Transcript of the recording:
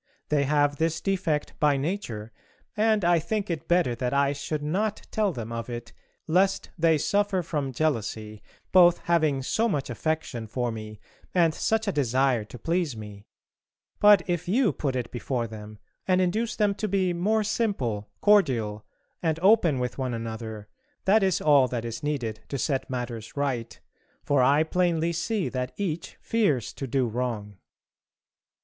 They have this defect by nature, and I think it better that I should not tell them of it, lest they suffer from jealousy, both having so much affection for me and such a desire to please me; but if you put it before them and induce them to be more simple, cordial, and open with one another that is all that is needed to set matters right, for I plainly see that each fears to do wrong.